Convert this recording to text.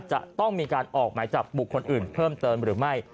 จะต้องมีการออกหมายจับบุคคลอื่นเพิ่มเติมหรือไม่